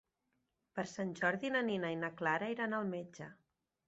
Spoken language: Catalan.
Per Sant Jordi na Nina i na Clara iran al metge.